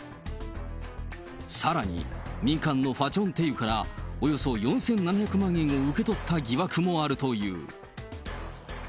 さらに、民間のファチョンテユから、およそ４７００万円を受け取った疑惑もあるという。